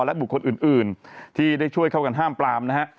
และบุคคลอื่นที่ได้ช่วยเข้ากันห้ามปลามนะฮะ